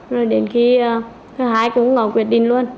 rồi đến khi thứ hai cũng có quyết định luôn